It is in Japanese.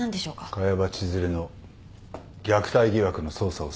萱場千寿留の虐待疑惑の捜査を進める。